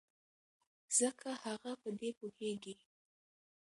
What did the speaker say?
ځکه هغه په دې پوهېږي.